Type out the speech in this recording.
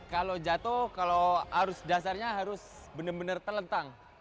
kalau jatuh kalau arus dasarnya harus benar benar terlentang